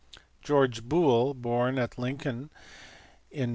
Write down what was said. George Boole, born at Lincoln on Nov.